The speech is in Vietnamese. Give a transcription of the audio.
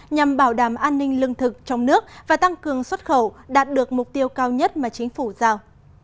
nhằm bảo đảm an ninh lương thực trong nước và tăng cường xuất khẩu đạt được mục tiêu cao nhất mà chính phủ giao